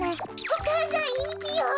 お母さんいいぴよ？